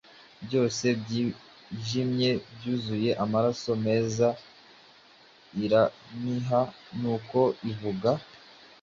byose byijimye, byuzuye Amaraso meza; iraniha, nuko ivuga: